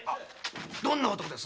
どんな男なんです？